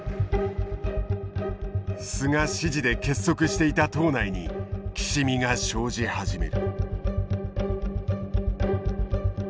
菅支持で結束していた党内にきしみが生じ始める。